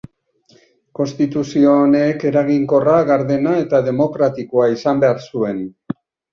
Konstituzio honek eraginkorra, gardena eta demokratikoa izan behar zuen.